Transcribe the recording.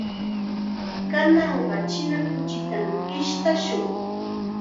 Kananqa china kuchitam pishtashun.